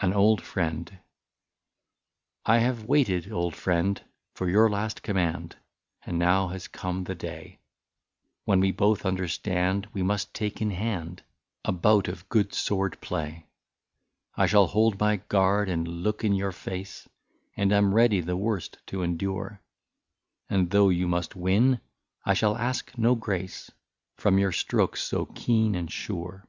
49 AN OLD FRIEND. I HAVE waited, old friend, for your last command, And now has come the day, When we both understand we must take in hand A bout of good sword play. I shall hold my guard and look in your face, And am ready the worst to endure ; And though you must win, I shall ask no grace, From your strokes so keen and sure.